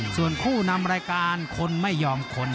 ส่วนคู่นำรายการคนไม่ยอมทน